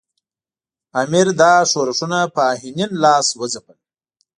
امیر دا ښورښونه په آهنین لاس وځپل.